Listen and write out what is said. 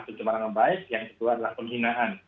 pencemaran yang baik yang kedua adalah penghinaan